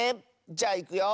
じゃあいくよ。